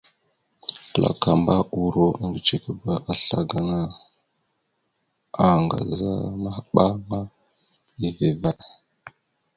Klakamba uuro eŋgcekaba assla gaŋa, aaŋgaza maɓaŋa, eeve vvaɗ.